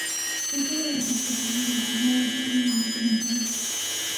Es uno de las más pequeños grupos mayas sobrevivientes en el país.